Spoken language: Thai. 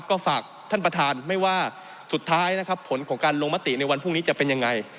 เพราะมันก็มีเท่านี้นะเพราะมันก็มีเท่านี้นะ